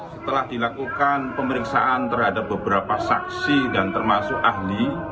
setelah dilakukan pemeriksaan terhadap beberapa saksi dan termasuk ahli